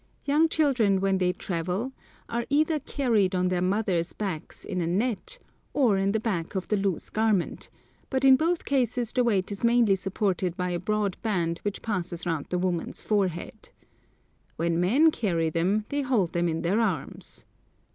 Young children when they travel are either carried on their mothers' backs in a net, or in the back of the loose garment; but in both cases the weight is mainly supported by a broad band which passes round the woman's forehead. When men carry them they hold them in their arms.